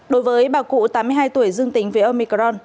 đối với bà cụ tám mươi hai tuổi dương tính với omicron